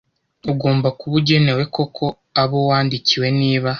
Ugomba kuba ugenewe koko abo wandikiwe niba